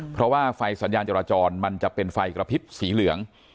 เพราะว่าไฟสัญญาณจราจรมันจะเป็นไฟกระพริบสีเหลือง